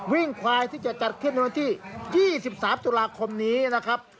วิ่งควายที่จะจัดขึ้นในวันที่๒๓ตุลาคมนี้นะครับ